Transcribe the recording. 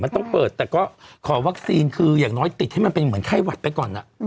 มันต้องเปิดแต่ก็ขอวัคซีนคืออย่างน้อยติดให้มันเป็นเหมือนไข้หวัดไปก่อน